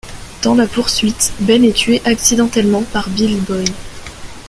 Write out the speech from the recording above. Dans la poursuite, Ben est tué accidentellement par Billy Boy.